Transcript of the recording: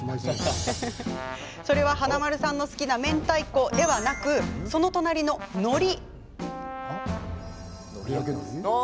それは華丸さんの好きなめんたいこではなくその隣ののり。